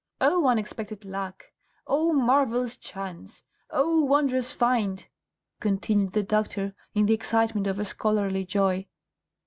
"Oh, unexpected luck! oh, marvellous chance! oh, wondrous find!" continued the doctor, in the excitement of a scholarly joy.